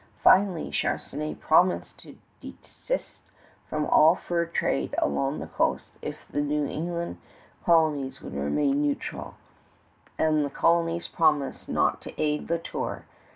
Finally, Charnisay promised to desist from all fur trade along the coast if the New England colonies would remain neutral; and the colonies promised not to aid La Tour.